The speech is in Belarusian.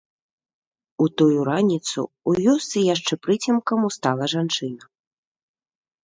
У тую раніцу ў вёсцы яшчэ прыцемкам устала жанчына.